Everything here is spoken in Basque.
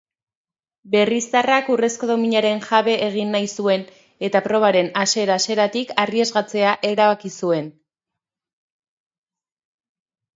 Berriztarrak urrezko dominaren jabe egin nahi zuen eta probaren hasera-haseratik arriesgatzea erabaki zuen.